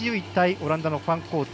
オランダのファンコート。